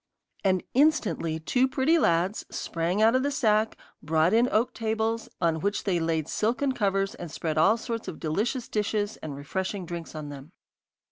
And instantly two pretty lads sprang out of the sack, brought in oak tables, on which they laid silken covers, and spread all sorts of delicious dishes and refreshing drinks on them.